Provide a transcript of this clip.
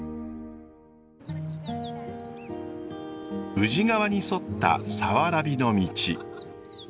宇治川に沿ったさわらびの道。